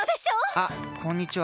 あっこんにちは